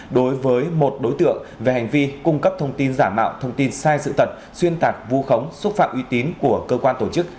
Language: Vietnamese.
đối với một đối tượng về hành vi cung cấp thông tin giả mạo thông tin sai sự thật xuyên tạc vu khống xúc phạm uy tín của cơ quan tổ chức